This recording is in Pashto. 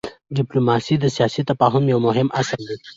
ډيپلوماسي د سیاسي تفاهم یو مهم اصل دی.